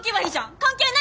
関係ない！